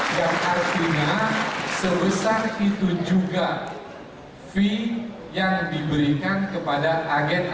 yang artinya sebesar itu juga fee yang diberikan kepada agen agen